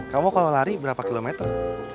kamu kalau lari berapa kilometer